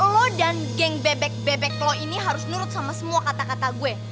kalau dan geng bebek bebek lo ini harus nurut sama semua kata kata gue